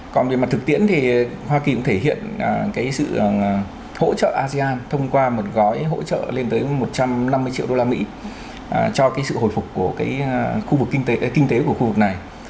còn về mặt thực tiễn thì hoa kỳ cũng thể hiện sự hỗ trợ asean thông qua một gói hỗ trợ lên tới một trăm năm mươi triệu đô la mỹ cho sự hồi phục của khu vực kinh tế kinh tế của khu vực này